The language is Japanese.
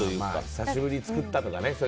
久しぶりに作ったからね。